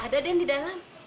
ada den di dalam